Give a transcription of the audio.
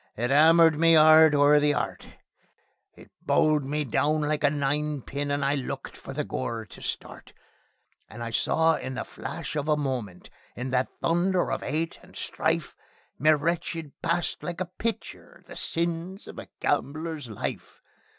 It 'ammered me 'ard o'er the 'eart; It bowled me down like a nine pin, and I looked for the gore to start; And I saw in the flash of a moment, in that thunder of hate and strife, Me wretched past like a pitchur the sins of a gambler's life.